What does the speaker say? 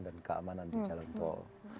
dan keamanan di jalan tol